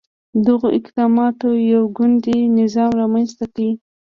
دغو اقداماتو یو ګوندي نظام رامنځته کړ.